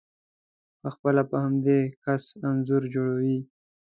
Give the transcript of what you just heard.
په خپله په همدې کس انځور جوړوئ،